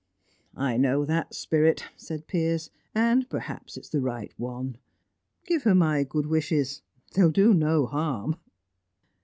"I know that spirit," said Piers, "and perhaps it's the right one. Give her my good wishes they will do no harm."